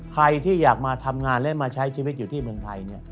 ใครที่อยากมาทำงานและมาใช้ชีวิตอยู่ที่เมืองไทย